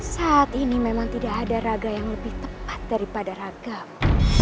saat ini memang tidak ada raga yang lebih tepat daripada ragam